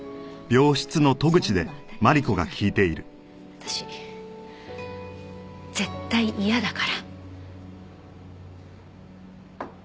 私絶対嫌だから。